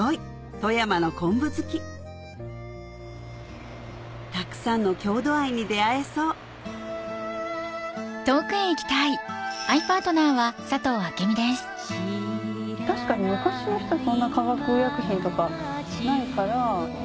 富山の昆布好きたくさんの郷土愛に出合えそう確かに昔の人そんな化学薬品とかないから。